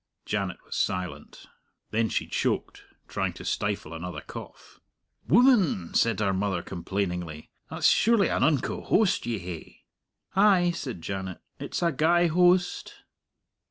Janet was silent. Then she choked trying to stifle another cough. "Woman," said her mother complainingly, "that's surely an unco hoast ye hae!" "Ay," said Janet, "it's a gey hoast."